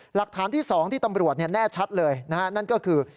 หลักฐานที่๒ที่ตำรวจแน่ชัดเลยนะฮะนั่นก็คือ